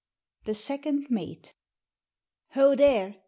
THE SECOND MATE. "Ho, there!